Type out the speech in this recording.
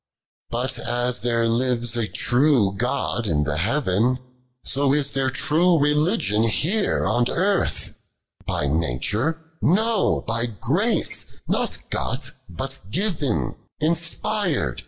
34. But as their Ktcs a tnw G«i in the Heaven, So b there tn:e Ecligion here on Earth : Bt nature ? Xo, by grace, not got, but given ; In^pir'd.